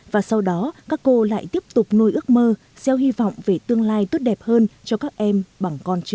và sau đó các cô lại tiếp tục nuôi ước mơ gieo hy vọng về tương lai tốt đẹp hơn cho các em bằng con chữ